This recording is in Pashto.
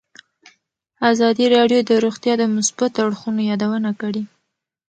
ازادي راډیو د روغتیا د مثبتو اړخونو یادونه کړې.